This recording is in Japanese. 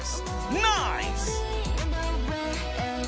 ［ナイス！］